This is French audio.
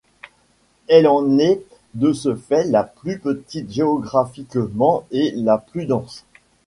Elle en est de ce fait la plus petite géographiquement et la plus dense.